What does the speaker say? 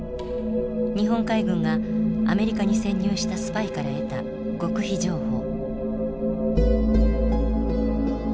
日本海軍がアメリカに潜入したスパイから得た極秘情報。